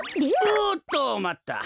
おっとまった！